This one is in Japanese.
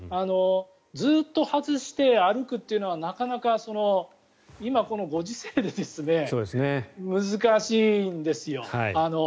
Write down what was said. ずっと外して歩くというのはなかなか今のご時世で難しいんですよ。